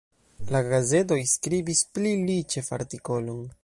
La gazetoj skribis pli li ĉefartikolon.